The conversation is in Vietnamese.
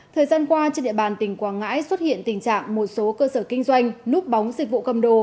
thời gian qua trên địa bàn tỉnh quảng ngãi xuất hiện tình trạng một số cơ sở kinh doanh núp bóng dịch vụ cầm đồ